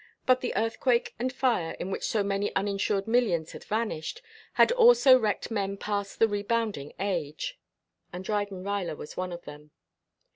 But the earthquake and fire in which so many uninsured millions had vanished, had also wrecked men past the rebounding age, and Dryden Ruyler was one of them.